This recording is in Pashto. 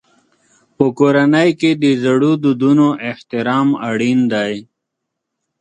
په کورنۍ کې د زړو دودونو احترام اړین دی.